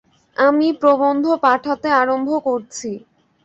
আমি প্রবন্ধ পাঠাতে আরম্ভ করছি।